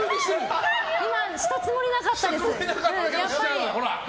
今、したつもりなかったです。